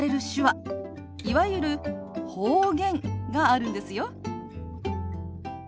いわゆる方言があるんですよ。